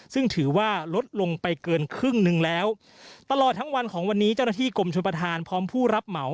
ซึ่งถือว่าลดลงไปเกินครึ่งหนึ่งแล้วตลอดทั้งวันของวันนี้เจ้าหน้าที่กรมชนประธานพร้อมผู้รับเหมา